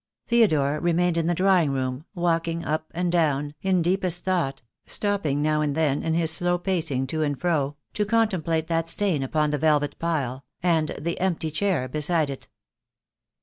Theodore remained in the drawing room, walking up and down, in deepest thought, stopping now and then in his slow pacing to and fro to contemplate that stain upon the velvet pile, and the empty chair beside it.